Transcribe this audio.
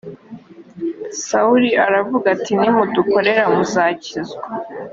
sawuli aravuga ati nimudukorera muzakizwa